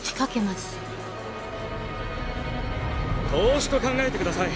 投資と考えてください。